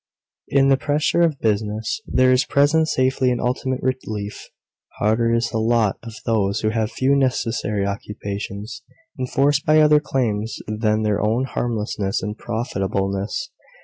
In the pressure of business there is present safety and ultimate relief. Harder is the lot of those who have few necessary occupations, enforced by other claims than their own harmlessness and profitableness.